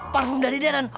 parfum dari den